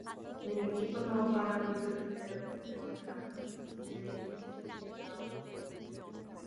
El equipo no gana títulos y queda tercero en la Premier League.